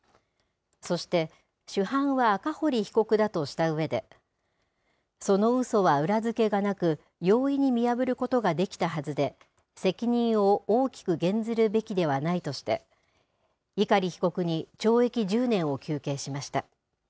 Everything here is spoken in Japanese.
そして主犯は赤堀被告だとしたうえで、そのうそは裏付けがなく、容易に見破ることができたはずで、責任を大きく減ずるべきではないとして、碇被告に懲役１０年を求刑しました。